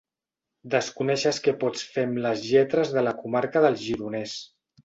Desconeixes què pots fer amb les lletres de la comarca del Gironès.